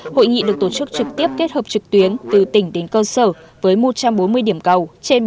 hội nghị được tổ chức trực tiếp kết hợp trực tuyến từ tỉnh đến cơ sở với một trăm bốn mươi điểm cầu